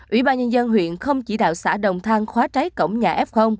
ủy ban nhân dân huyện không chỉ đạo xã đồng thang khóa trái cổng nhà f